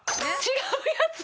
違うやつ。